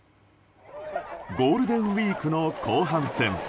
ゴールデンウィークの後半戦。